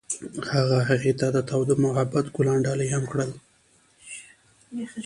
هغه هغې ته د تاوده محبت ګلان ډالۍ هم کړل.